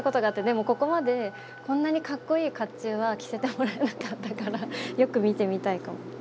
でもここまでこんなにかっこいい甲冑は着せてもらえなかったからよく見てみたいかも。